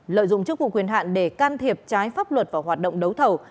lợi dụng chức vụ quyền hạn để can thiệp trái pháp luật vào hoạt động đấu thầu